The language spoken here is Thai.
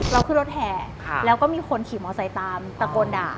ขึ้นรถแห่แล้วก็มีคนขี่มอไซค์ตามตะโกนด่า